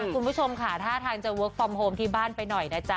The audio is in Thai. คุณผู้ชมค่ะท่าทางจะเวิร์คฟอร์มโฮมที่บ้านไปหน่อยนะจ๊